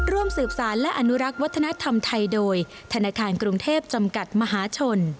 ร่วมสืบสารและอนุรักษ์วัฒนธรรมไทยโดยธนาคารกรุงเทพจำกัดมหาชน